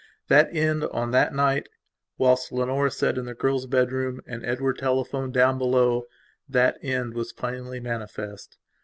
That end, on that night, whilst Leonora sat in the girl's bedroom and Edward telephoned down belowthat end was plainly manifest.